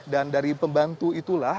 dan dari pembantu itulah